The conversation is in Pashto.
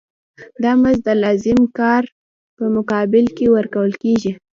دا مزد د لازم کار په مقابل کې ورکول کېږي